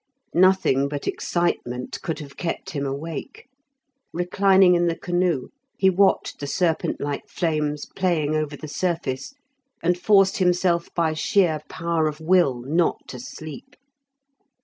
Nothing but excitement could have kept him awake. Reclining in the canoe, he watched the serpent like flames playing over the surface, and forced himself by sheer power of will not to sleep.